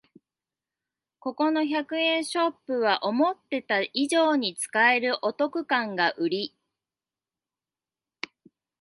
ここの百均ショップは思ってた以上に使えるお得感がウリ